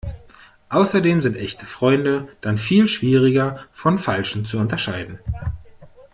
Außerdem sind echte Freunde dann viel schwieriger von falschen zu unterscheiden.